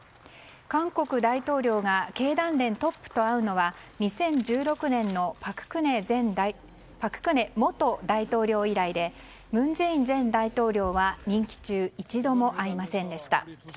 韓国大統領が経団連トップと会うのは２０１６年の朴槿惠元大統領以来で文在寅前文大統領は任期中一度も会いませんでした。